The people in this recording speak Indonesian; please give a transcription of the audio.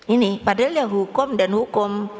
ini padahal ya hukum dan hukum